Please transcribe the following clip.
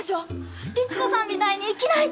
律子さんみたいに生きないと！